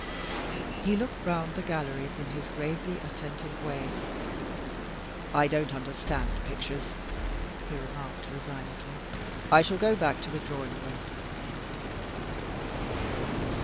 He looked round the gallery in his gravely attentive way. "I don't understand pictures," he remarked resignedly. "I shall go back to the drawing room."